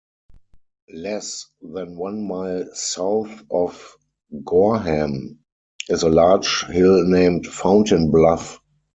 Less than one mile south of Gorham is a large hill named Fountain Bluff.